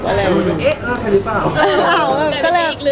แต่ว่าเอ๊ะเล่าใครรึเปล่า